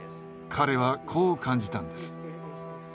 彼はこう感じたんです。